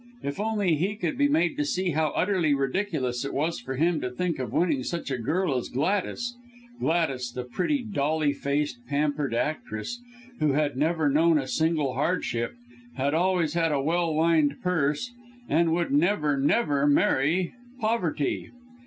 If only he could be made to see how utterly ridiculous it was for him to think of winning such a girl as Gladys Gladys the pretty, dolly faced, pampered actress, who had never known a single hardship, had always had a well lined purse, and would never, never marry poverty!